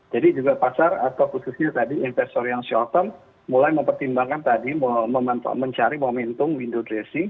jadi juga pasar atau khususnya tadi investor yang short term mulai mempertimbangkan tadi mencari momentum window dressing